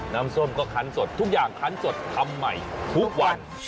น้ำส้มก็คันสดทุกอย่างคันสดทำใหม่ทุกวัน